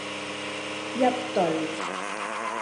一對